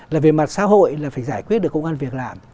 là về mặt xã hội là phải giải quyết được công an việc làm